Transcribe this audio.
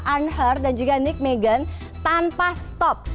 anhear dan juga nijmegen tanpa stop